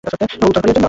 উত্তর কোরিয়ার জন্যে?